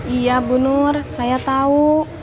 iya bu nur saya tahu